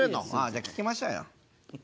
じゃあ聴きましょうよ。